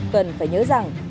cần phải nhớ rằng